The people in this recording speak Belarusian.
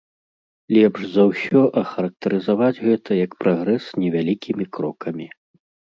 Лепш за ўсё ахарактарызаваць гэта як прагрэс невялікімі крокамі.